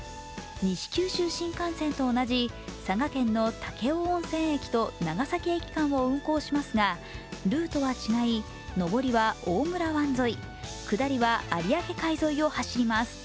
西九州新幹線と同じ、佐賀県の武雄温泉駅ー長崎駅間を運行しますがルートは違い、上りは大村湾沿い下りは有明海沿いを走ります。